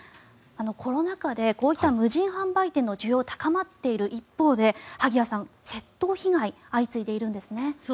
コロナ禍でこういった無人販売店の需要が高まっている一方で萩谷さん、窃盗被害が相次いでいるんですね。